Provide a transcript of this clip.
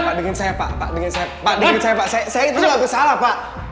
pak dengerin saya pak pak dengerin saya pak pak dengerin saya pak saya itu gak kesalah pak